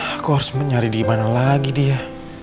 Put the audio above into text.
aku harus mencari dimana lagi dia